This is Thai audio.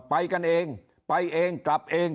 ไปกันเองไปเองกลับเอง